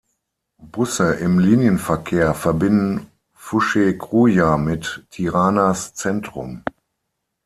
Busse im Linienverkehr verbinden Fushë-Kruja mit Tiranas Zentrum.